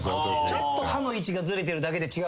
ちょっと刃の位置がずれてるだけで違うかもしんない。